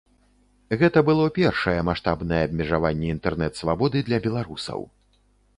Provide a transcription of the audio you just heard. Гэта было першае маштабнае абмежаванне інтэрнэт-свабоды для беларусаў.